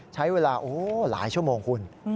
ใช้เวลาหลายชั่วโมงคุณ